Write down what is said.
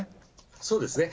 そうですね。